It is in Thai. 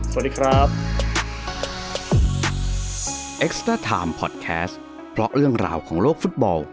สวัสดีครับ